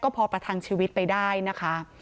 พอประทังชีวิตไปได้นะคะ